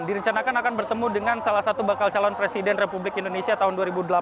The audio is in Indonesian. direncanakan akan bertemu dengan salah satu bakal calon presiden republik indonesia tahun dua ribu delapan belas